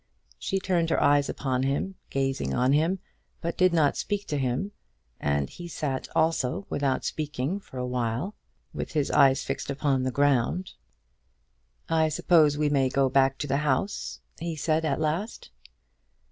She turned her eyes upon him, gazing on him, but did not speak to him; and he sat also without speaking for a while, with his eyes fixed upon the ground. "I suppose we may go back to the house?" he said at last.